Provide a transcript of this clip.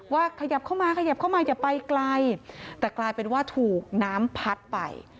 ขยับเข้ามาขยับเข้ามาอย่าไปไกลแต่กลายเป็นว่าถูกน้ำพัดไป